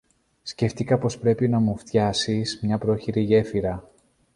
Σκέφθηκα πως πρέπει να μου φτιάσεις μια πρόχειρη γέφυρα.